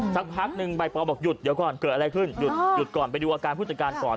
สักพักหนึ่งใบปอลบอกหยุดเดี๋ยวก่อนเกิดอะไรขึ้นหยุดก่อนไปดูอาการผู้จัดการก่อน